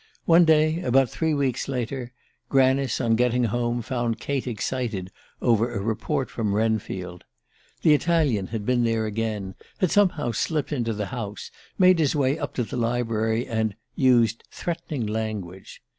One day, about three weeks later, Granice, on getting home, found Kate excited over a report from Wrenfield. The Italian had been there again had somehow slipped into the house, made his way up to the library, and "used threatening language."